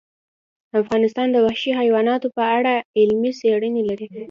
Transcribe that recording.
افغانستان د وحشي حیواناتو په اړه علمي څېړنې لري.